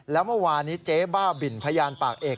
แล้วเมื่อวานนี้เจ๊บ้าบินพยานปากเอก